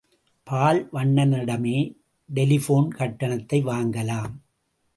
பால்வண்ணனிடமே telephone கட்டணத்தை வாங்கலாம்.